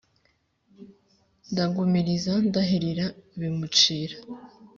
Ndagumiriza ndahirira bimucira